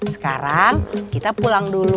sekarang kita pulang dulu